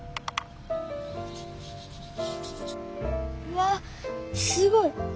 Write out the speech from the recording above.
うわっすごい！